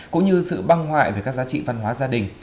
cũng như sự băng hoại về các giá trị văn hóa gia đình